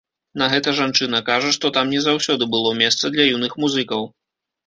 На гэта жанчына кажа, што там не заўсёды было месца для юных музыкаў.